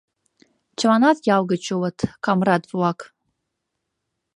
Чыланат ял гыч улыт, камрад-влак.